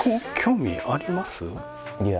いや。